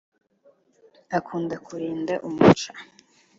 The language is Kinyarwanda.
Akunda kurinda umuco